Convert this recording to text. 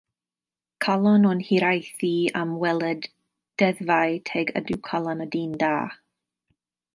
Calon yn hiraethu am weled deddfau teg ydyw calon y dyn da.